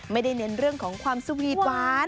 เน้นเรื่องของความสวีทหวาน